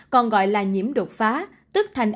còn gọi là nhiễm đột phá